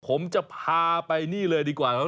ผมจะพาไปนี่เลยเดี๋ยวก่อน